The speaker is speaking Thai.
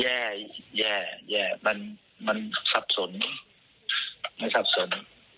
แย่แย่แย่มันสับสนไม่สับสน